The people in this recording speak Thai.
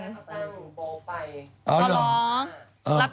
เจ้ามั้ยจะไปที่นี่เอาล่ะ